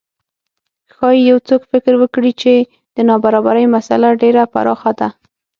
ښايي یو څوک فکر وکړي چې د نابرابرۍ مسئله ډېره پراخه ده.